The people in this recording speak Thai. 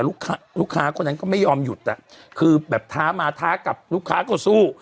ลูกค้าลูกค้าคนนั้นก็ไม่ยอมหยุดอ่ะคือแบบท้ามาท้ากับลูกค้าก็สู้